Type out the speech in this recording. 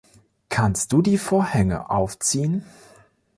Kannst du die Vorhänge aufziehen?